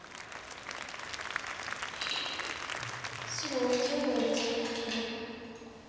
白１０の一取り。